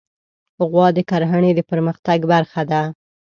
غوا د کرهڼې د پرمختګ برخه ده.